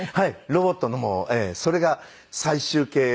ロボットのもそれが最終形ですね。